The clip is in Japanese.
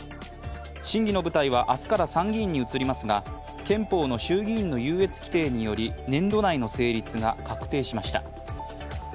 審議の舞台は、明日から参議院に移りますが憲法の衆議院の優越規定により年度内の成立が確定しました。